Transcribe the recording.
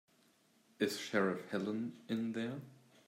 Is Sheriff Helen in there?